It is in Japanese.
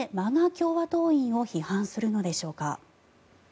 共和党員を批判するのでしょうか。